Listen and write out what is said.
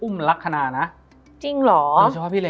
มันทำให้ชีวิตผู้มันไปไม่รอด